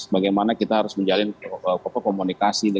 bagaimana kita harus menjalin komunikasi